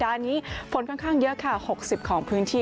นี้ฝนค่อนข้างเยอะค่ะ๖๐ของพื้นที่